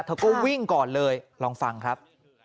เธอก็วิ่งก่อนเลยลองฟังครับ